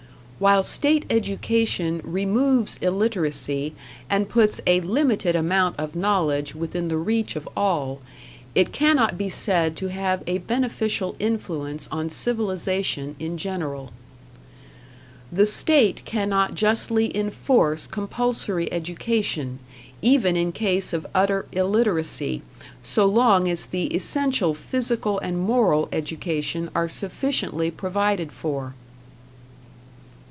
While state education removes illiteracy and puts a limited amount of knowledge within the reach of all, it cannot be said to have a beneficial influence on civilization in general. The state cannot justly enforce compulsory education, even in case of utter illiteracy, so long as the essential physical and moral education are sufficiently provided for.